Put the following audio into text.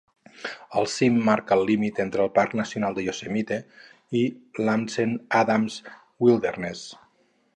El cim marca el límit entre el Parc Nacional de Yosemite i l'Ansel Adams Wilderness.